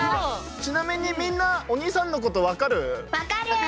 ちなみにみんなおにいさんのことわかる？